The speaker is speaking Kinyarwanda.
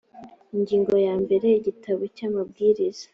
ingingo ya mbere igitabo cy amabwiriza